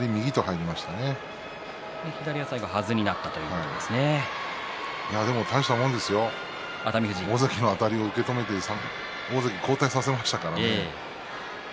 最後左がはずになったといや、でも大したものですよ大関のあたりを受け止めて大関を後退させましたからね。